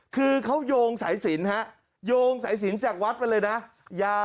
คือเขายงสายศีลยงสายศีลจากวัดไปเลยนะ